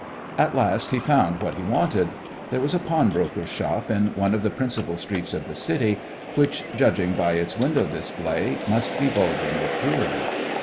At last he found what he wanted. There was a pawnbroker's shop in one of the principal streets of the city which, judging by its window display, must be bulging with jewellery.